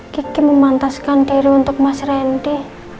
kiki memantaskan diri untuk mas randy